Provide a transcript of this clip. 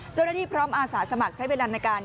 เจ้าหน้าที่พร้อมอาสาสมัครใช้เวลาในการ